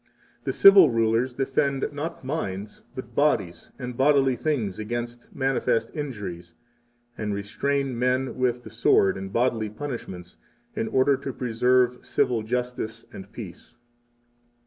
The civil rulers defend not minds, but bodies and bodily things against manifest injuries, and restrain men with the sword and bodily punishments in order to preserve civil justice and peace.